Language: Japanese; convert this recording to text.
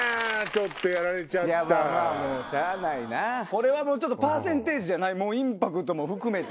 これはパーセンテージじゃないインパクトも含めて。